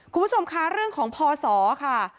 คุณผู้ชมคะเรื่องของพศค่ะ